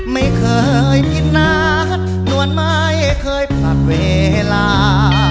ไม่เคยคิดนัดนวลไม่เคยผลัดเวลา